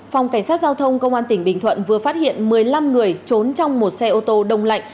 phòng cảnh sát giao thông công an tỉnh bình thuận vừa phát hiện một mươi năm người trốn trong một xe ô tô đông lạnh